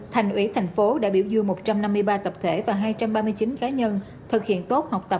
thành ủy thành phố đã biểu dương một trăm năm mươi ba tập thể và hai trăm ba mươi chín cá nhân thực hiện tốt học tập